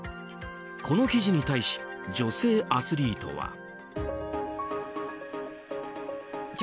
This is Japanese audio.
この記事に対し女性アスリートは。